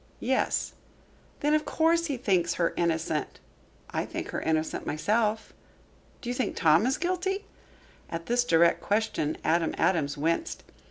"Yes." "Then, of course, he thinks her innocent." "I think her innocent myself." "Do you think Tom is guilty?" At this direct question Adam Adams winced.